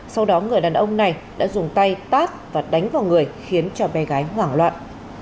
sau đó người đàn ông này đã dùng tay tát và đánh vào người khiến cho bé gái hoảng loạn